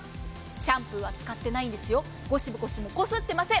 シャンプーは使ってないんです、ゴシゴシもこすってません。